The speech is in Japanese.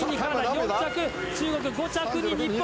４着、中国５着に日本。